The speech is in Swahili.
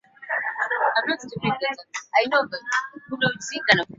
Misingi ya ujuzi wetu juu yake